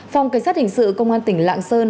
phòng cảnh sát hình sự công an tỉnh lạng sơn